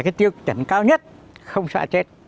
cái tiêu chuẩn cao nhất không sợ chết